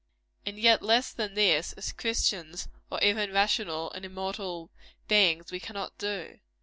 And yet less than this, as Christians or even as rational and immortal beings, we cannot do.